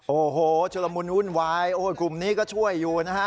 โอ้โหชุลมุนวุ่นวายโอ้ยกลุ่มนี้ก็ช่วยอยู่นะฮะ